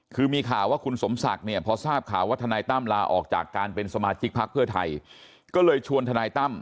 คือมีข่าวว่าคุณสมศักดิ์เนี่ยพอทราบข่าวว่าธนายตั้มลาออกจากการเป็นสมาชิกพักเพื่อไทย